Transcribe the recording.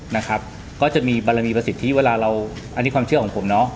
นะครับก็จะมีบารมีประสิทธิเวลาเราอันนี้ความเชื่อของผมเนาะ